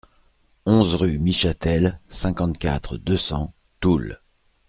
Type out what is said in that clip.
onze rue Michâtel, cinquante-quatre, deux cents, Toul